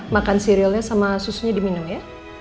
makan sirilnya sama susunya diminum ya